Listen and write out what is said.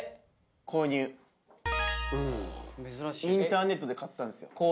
インターネットで買ったんですよ。